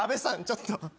ちょっと。